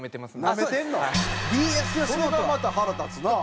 それがまた腹立つな。